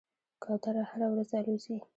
کوتره هره ورځ الوځي.